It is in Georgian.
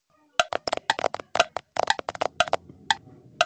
ციხე კლდეზეა აშენებული და თითქმის ყოველი მხრიდან მიუდგომელია.